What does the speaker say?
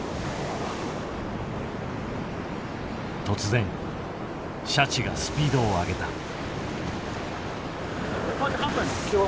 突然シャチがスピードを上げた。